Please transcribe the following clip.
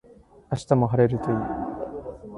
明日も晴れるといいな